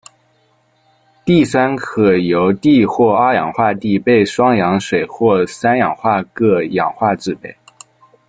碲酸可由碲或二氧化碲被双氧水或三氧化铬氧化制备。